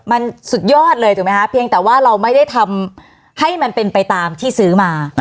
มันสุดยอดเลยถูกไหมคะเพียงแต่ว่าเราไม่ได้ทำให้มันเป็นไปตามที่ซื้อมา